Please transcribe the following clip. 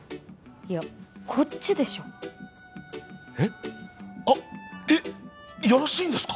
いやこっちでしょうえっあっえっよろしいんですか？